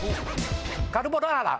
カルボナーラ。